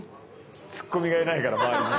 ツッコミがいないから周りに。